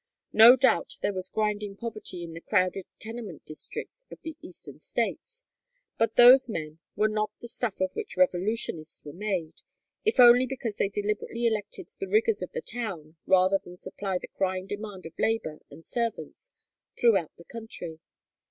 No doubt there was grinding poverty in the crowded tenement districts of the Eastern States, but those men were not the stuff of which revolutionists were made, if only because they deliberately elected the rigors of the town rather than supply the crying demand for labor and servants throughout the country.